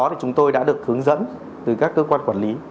sau đó thì chúng tôi đã được hướng dẫn từ các cơ quan quản lý